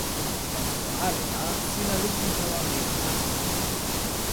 tenpo ale la sina lukin tawa meli ante.